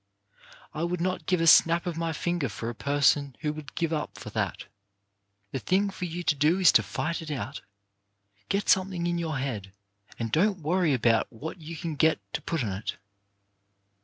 I would not give a snap of my finger for a person who would give up for that. The thing for you to do is to fight it out. Get something in your head, and don't worry about what you can get to put on it.